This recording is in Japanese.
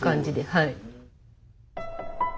はい。